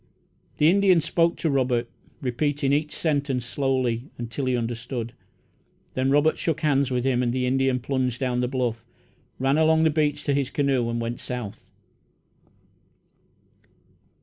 The Indian spoke to Robert, repeating each sentence slowly, until he understood. Then Robert shook hands with him, and the Indian plunged down the bluff, ran along the beach to his canoe, and went south.